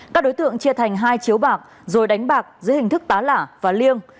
các đối tượng chia thành hai chiếu bạc rồi đánh bạc dưới hình thức tá lả và liêng